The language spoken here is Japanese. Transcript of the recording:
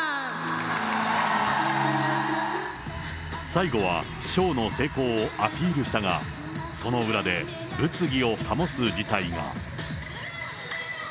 最後はショーの成功をアピールしたが、その裏で物議を醸す事態が。